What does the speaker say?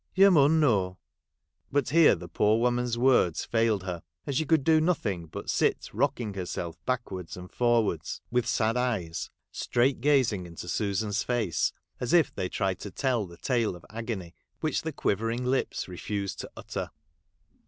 You rnun know,' — but here the poor woman's words failed her, and she could do nothing but sit rocking herself backwards and for wards, with sad eyes, straight gazing into Susan's face, as if they tried to tell the tale of agony which the quivering lips refused to utter.